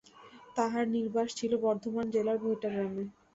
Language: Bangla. তাঁহার নিবাস ছিল বর্ধমান জেলার ভৈটা গ্রামে।